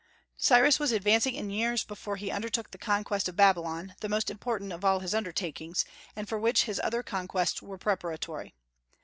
Cyrus was advancing in years before he undertook the conquest of Babylon, the most important of all his undertakings, and for which his other conquests were preparatory.